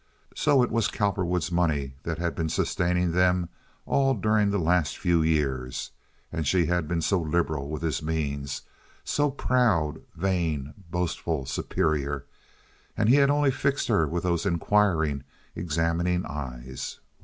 So it was Cowperwood's money that had been sustaining them all during the last few years; and she had been so liberal with his means—so proud, vain, boastful, superior. And he had only fixed her with those inquiring, examining eyes.